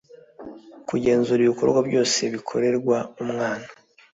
kugenzura ibikorwa byose bikorerwa umwana